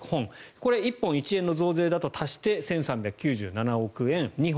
これ、１本１円の増税だと足して１３９７億円。